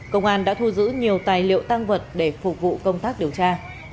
công an đã thu giữ nhiều tài liệu tăng vật để phục vụ công tác điều tra